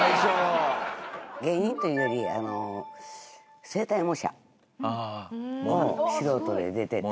芸人というよりあの声帯模写を素人で出てて。